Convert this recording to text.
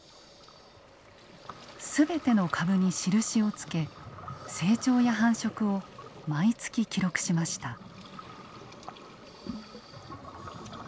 全ての株に印をつけ成長や繁殖を毎月記録しました。